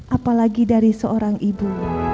apalagi dari seorang ibu